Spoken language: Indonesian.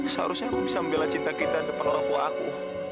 seharusnya aku bisa membela cinta kita depan orang tua aku